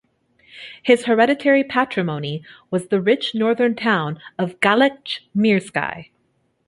His hereditary patrimony was the rich Northern town Galich-Mersky.